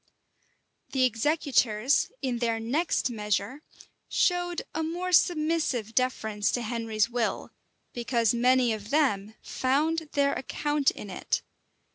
[] The executors, in their next measure, showed a more submissive deference to Henry's will, because many of them found their account in it.